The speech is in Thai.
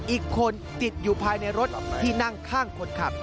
อีกคนติดอยู่ภายในรถที่นั่งข้างคนขับ